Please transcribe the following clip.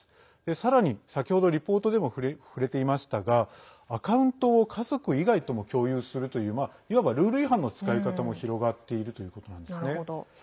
さらに、先ほどリポートでも触れていましたがアカウントを家族以外とも共有するといういわばルール違反の使い方も広がっているということなんですね。